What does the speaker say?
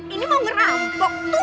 ini mau ngerampok